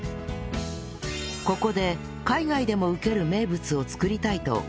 ここで海外でもウケる名物を作りたいと開発